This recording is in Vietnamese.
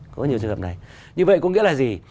có nhiều trường hợp này như vậy có nghĩa là gì